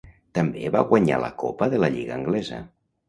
També va guanyar la Copa de la Lliga anglesa.